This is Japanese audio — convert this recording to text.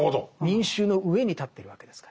民衆の上に立ってるわけですから。